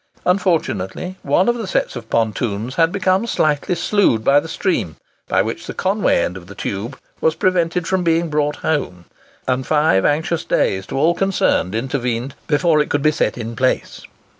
Unfortunately, one of the sets of pontoons had become slightly slued by the stream, by which the Conway end of the tube was prevented from being brought home; and five anxious days to all concerned intervened before it could be set in its place.